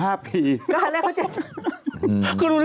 คือดูแรงว่าเป็นคนอื้ม